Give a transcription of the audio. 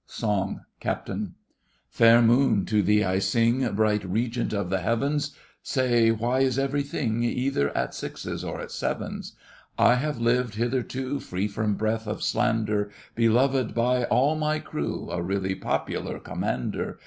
SONG—CAPTAIN Fair moon, to thee I sing, Bright regent of the heavens, Say, why is everything Either at sixes or at sevens? I have lived hitherto Free from breath of slander, Beloved by all my crew— A really popular commander.